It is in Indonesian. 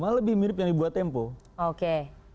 malah lebih mirip yang dibuat tempo oke